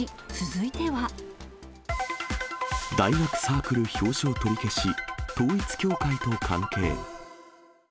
大学サークル表彰取り消し、統一教会と関係。